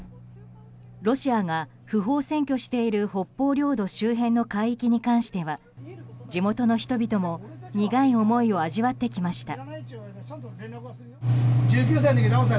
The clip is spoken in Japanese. ロシアが不法占拠している北方領土周辺の海域に関しては地元の人々も苦い思いを味わってきました。